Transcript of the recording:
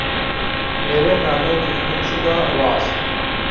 میرے نالوں کی گم شدہ آواز